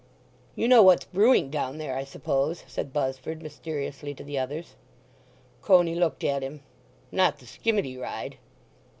"You know what's brewing down there, I suppose?" said Buzzford mysteriously to the others. Coney looked at him. "Not the skimmity ride?"